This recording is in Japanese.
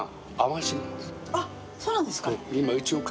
そうなんですか？